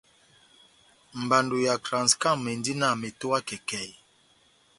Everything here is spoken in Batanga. Mbando ya Transcam endi na metowa kɛkɛhi.